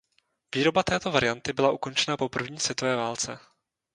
Výroba této varianty byla ukončena po první světové válce.